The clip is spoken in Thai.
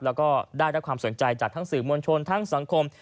แล้วก็ได้รับความสนใจจากทั้งสื่อมวลชนทั้งสังคม